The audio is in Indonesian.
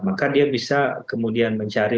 maka dia bisa kemudian mencari